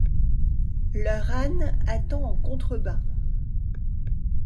Leur âne attend en contrebas.